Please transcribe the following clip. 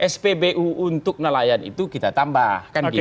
spbu untuk nelayan itu kita tambahkan gitu